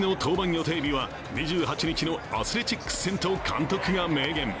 予定日は２８日のアスレチックス戦と監督が明言。